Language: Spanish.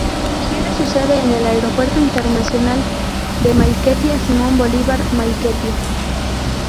Tiene su sede en el Aeropuerto Internacional de Maiquetía Simón Bolívar, Maiquetía.